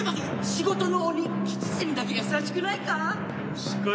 仕事の鬼吉瀬にだけ優しくないか？